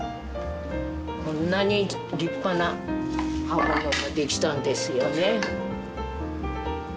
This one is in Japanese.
こんなに立派な刃物ができたんですよね。